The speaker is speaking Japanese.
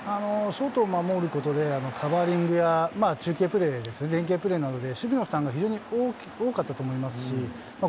外を守ることでカバーリングがチームプレーで連係プレーなので、守備の負担が多かったと思います。